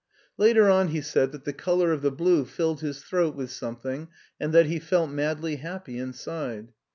Later on he said that the color of the blue filled his throat with something and that he felt madly happy inside.